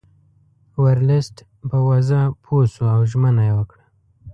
ورلسټ په وضع پوه شو او ژمنه یې وکړه.